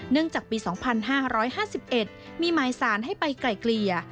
จากปี๒๕๕๑มีหมายสารให้ไปไกลเกลี่ย